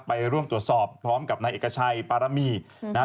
ไปร่วมตรวจสอบพร้อมกับนายเอกชัยปารมีนะฮะ